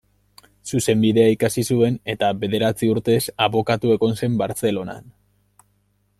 Zuzenbidea ikasi zuen eta bederatzi urtez abokatu egon zen Bartzelonan.